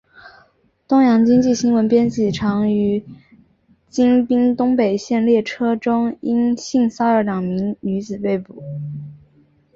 东洋经济新闻编辑长于京滨东北线列车中因性骚扰两名女子被捕。